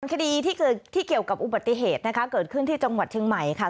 คดีที่เกี่ยวกับอุบัติเหตุเกิดขึ้นที่จังหวัดเชียงใหม่